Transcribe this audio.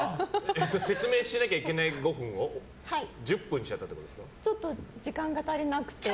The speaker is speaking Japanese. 説明しなきゃいけない５分を１０分にちょっと時間が足りなくて。